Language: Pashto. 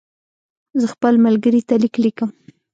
زه خپل ملګري ته لیک لیکم.